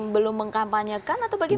belum mengkampanyekan atau bagaimana